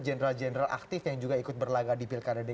jenderal jenderal aktif yang ikut berlagak